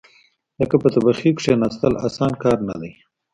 لکه په تبخي کېناستل، اسانه کار نه دی.